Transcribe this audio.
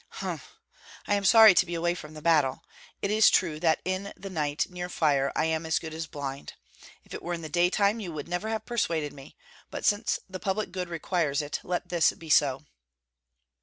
"H'm! I am sorry to be away from the battle! It is true that in the night near fire I am as good as blind. If it were in the daytime you would never have persuaded me; but since the public good requires it, let this be so."